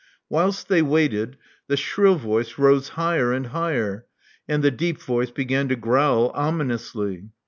Whilst they waited, the shrill voice rose higher and higher; and the deep voice began to growl ominously.